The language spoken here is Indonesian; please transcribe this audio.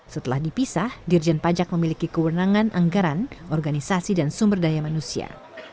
setelah dipisah dirjen pajak memiliki kewenangan anggaran organisasi dan sumber daya manusia